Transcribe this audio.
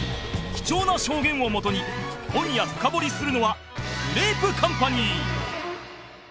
貴重な証言をもとに今夜深掘りするのはグレープカンパニー